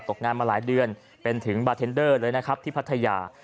ตกงานมาหลายเดือนเป็นถึงบาร์เทนเดอร์เลยนะครับที่พัทยา